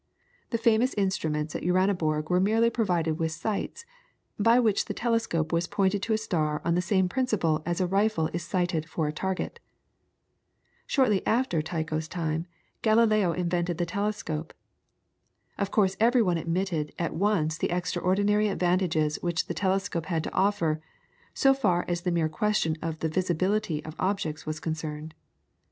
The famous instruments at Uraniborg were merely provided with sights, by which the telescope was pointed to a star on the same principle as a rifle is sighted for a target. Shortly after Tycho's time, Galileo invented the telescope. Of course every one admitted at once the extraordinary advantages which the telescope had to offer, so far as the mere question of the visibility of objects was concerned.